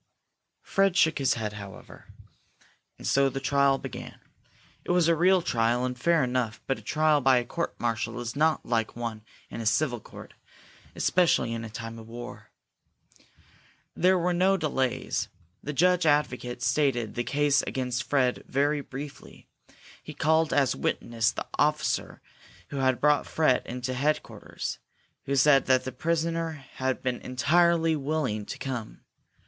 Fred shook his head, however. And so the trial began. It was a real trial, and fair enough, but a trial by court martial is not like one in a civil court, especially in time of war. There were no delays. The judge advocate stated the case against Fred very briefly. He called as witness the officer who had brought Fred into headquarters, who said that the prisoner had been entirely willing to come.